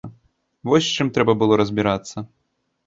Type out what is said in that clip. Вось з чым трэба было б разбірацца.